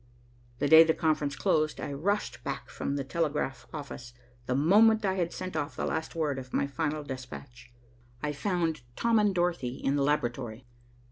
The day the conference closed, I rushed back from the telegraph office the moment I had sent off the last word of my final despatch. I found Tom and Dorothy in the laboratory.